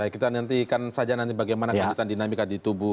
kita nantikan saja nanti bagaimana kelanjutan dinamika di tubuh